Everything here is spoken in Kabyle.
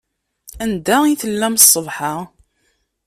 Anda i tellam ṣṣbeḥ-a?